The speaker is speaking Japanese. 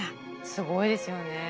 すごいですよね。